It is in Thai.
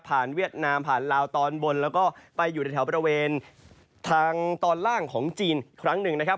เวียดนามผ่านลาวตอนบนแล้วก็ไปอยู่ในแถวบริเวณทางตอนล่างของจีนครั้งหนึ่งนะครับ